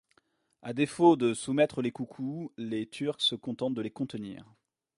À défaut de soumettre les Koukou, les Turcs se contentent de les contenir.